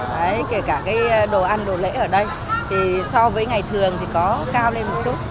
đấy kể cả cái đồ ăn đồ lễ ở đây thì so với ngày thường thì có cao lên một chút